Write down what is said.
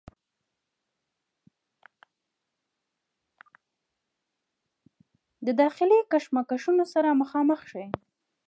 د داخلي کشمکشونو سره مخامخ شي